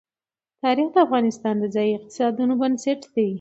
تاریخ د افغانستان د ځایي اقتصادونو بنسټ دی.